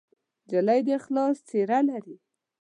نجلۍ د اخلاص څېره لري.